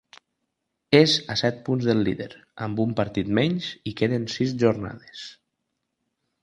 És a set punts del líder, amb un partit menys, i queden sis jornades.